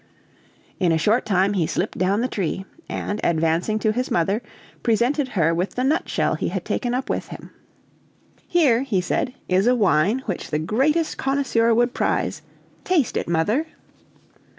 In a short time he slipped down the tree, and, advancing to his mother, presented her with the nutshell he had taken up with him. "Here," he said, "is a wine which the greatest connoisseur would prize. Taste it, mother."